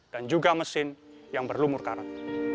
dan juga mesin yang berlumur karat